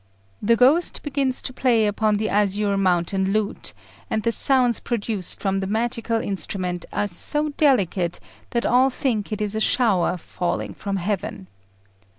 The ghost begins to play upon the Azure Mountain lute, and the sounds produced from the magical instrument are so delicate, that all think it is a shower falling from heaven.